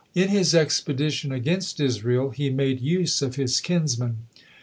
In his expedition against Israel he made use of his kinsman.